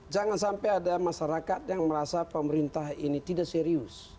jangan sampai ada masyarakat yang merasa pemerintah ini tidak serius